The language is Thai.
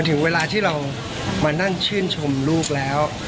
ถึงเวลาที่เรามานั่งชื่นชมลูกแล้ว